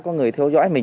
có người theo dõi mình